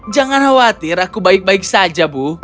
jangan khawatir aku baik baik saja bu